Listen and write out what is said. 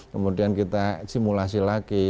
kemudian kita simulasi lagi